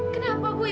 kenapa bu ibu sakit